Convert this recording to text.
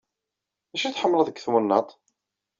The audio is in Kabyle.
D acu ay tḥemmleḍ deg twennaḍt?